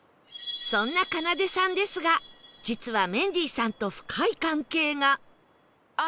そんなかなでさんですが実はメンディーさんと深い関係が